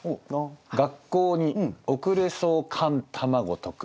「学校に遅れそう寒卵とく」。